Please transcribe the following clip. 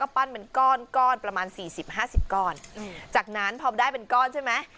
ก็ปั้นเป็นก้อนก้อนประมาณ๔๐๕๐ก้อนจากนั้นพอได้เป็นก้อนใช่ไหม